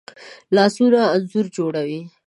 لاسونه انځور جوړوي